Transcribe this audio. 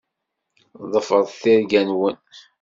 Ḍefṛet tirga-nwen.